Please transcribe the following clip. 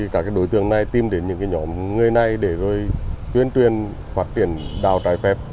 các đối tượng này tìm đến những nhóm người này để tuyên truyền phát triển đạo trải phép